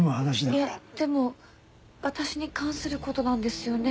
いやでも私に関することなんですよね？